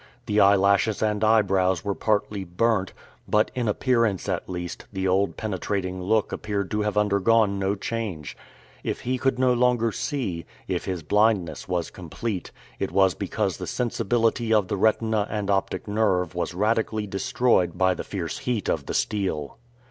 The eyelashes and eyebrows were partly burnt, but in appearance, at least, the old penetrating look appeared to have undergone no change. If he could no longer see, if his blindness was complete, it was because the sensibility of the retina and optic nerve was radically destroyed by the fierce heat of the steel.